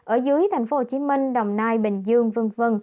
ở dưới thành phố hồ chí minh đồng nai bình dương v v